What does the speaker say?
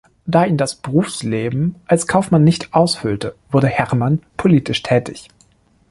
Da ihn das Berufsleben als Kaufmann nicht ausfüllte, wurde Herrmann politisch tätig.